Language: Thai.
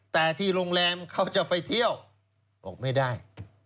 แต่ที่โรงแรมเขาจะไปเที่ยวบอกไม่ได้